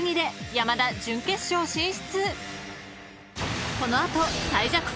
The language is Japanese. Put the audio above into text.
山田準決勝進出］